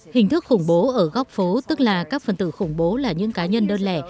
hình thức khủng bố ở góc phố tức là các phần tử khủng bố là những cá nhân đơn lẻ